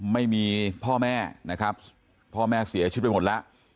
ไม่มีพ่อแม่นะครับพ่อแม่เสียชีวิตไปหมดแล้ว